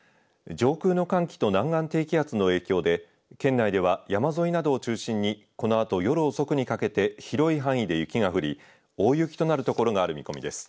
上空の寒気と南岸低気圧の影響で県内では山沿いなどを中心にこのあと夜遅くにかけて広い範囲で雪が降り、大雪となる所がある見込みです。